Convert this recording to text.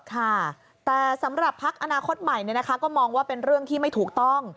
ค่ะแต่สำหรับพักอนาคตใหม่ก็มองว่าเป็นเรื่องที่ไม่ถูกต้อง